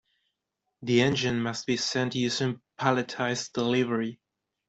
The engine must be sent using palletized delivery.